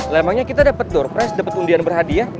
lemangnya kita dapat door price dapat undian berhadiah